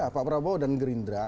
pak prabowo dan gerindra